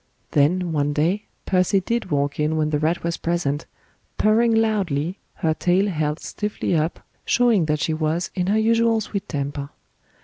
Then, one day, pussy did walk in when the rat was present, purring loudly, her tail held stiffly up, showing that she was in her usual sweet temper.